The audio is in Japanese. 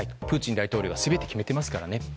プーチン大統領が全て決めてますからね。